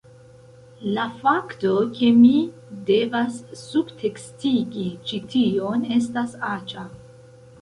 La fakto, ke mi devas subtekstigi ĉi tion, estas aĉa...